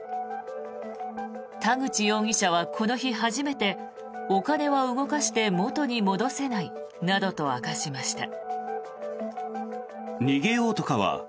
田口容疑者はこの日初めてお金は動かして元に戻せないなどと明かしました。